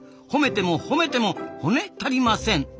褒めても褒めてもホネ足りません。